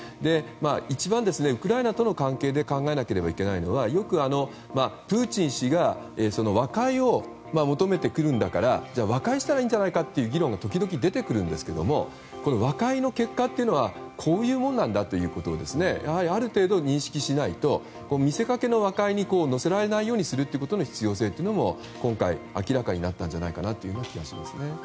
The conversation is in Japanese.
一番、ウクライナとの関係で考えなければいけないのはよくプーチン氏が和解を求めてくるんだから和解したらいいんじゃないかという議論が、時々出てきますが和解の結果はこういうものなんだということをやはりある程度、認識しないと見せかけの和解に乗せられないようにすることの必要性も今回明らかになった気がします。